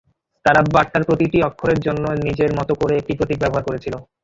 তারা বার্তার প্রতিটা অক্ষরের জন্য নিজের মতো করে একটা প্রতীক ব্যবহার করেছিল।